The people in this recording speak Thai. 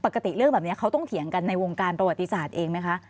ปกติเรื่องแบบนี้เขาต้องเถียงกันในวงการประวัติศาสตร์เองไหมคะ